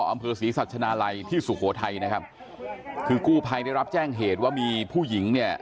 อำเภอศรีสัชนาลัยที่สุโขทัยนะครับคือกู้ภัยได้รับแจ้งเหตุว่ามีผู้หญิงเนี่ย